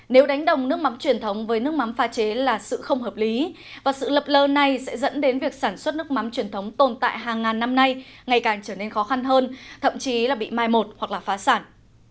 nếu đánh đồng nước mắm truyền thống với nước mắm pha chế là sự không hợp lý và sự lập lơ này sẽ dẫn đến việc sản xuất nước mắm truyền thống tồn tại hàng ngàn năm nay ngày càng trở nên khó khăn hơn thậm chí là bị mai một hoặc phá sản